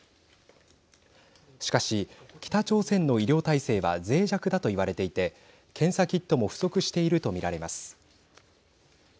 しかし北朝鮮の医療体制はぜい弱だといわれていて検査キットも不足しているとみられます。